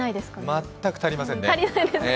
全く足りませんね。